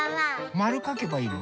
まるかけばいいの？